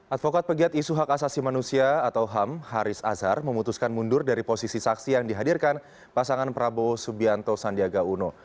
advokat pegiat isu hak asasi manusia atau ham haris azhar memutuskan mundur dari posisi saksi yang dihadirkan pasangan prabowo subianto sandiaga uno